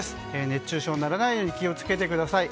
熱中症にならないように気を付けてください。